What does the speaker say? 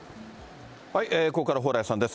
ここからは蓬莱さんです。